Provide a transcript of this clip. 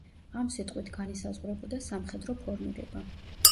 ამ სიტყვით განისაზღვრებოდა სამხედრო ფორმირება.